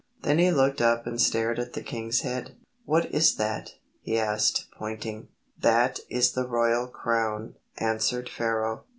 Then he looked up and stared hard at the king's head. "What is that?" he asked, pointing. "That is the royal crown," answered Pharaoh.